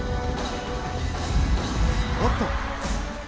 おっと！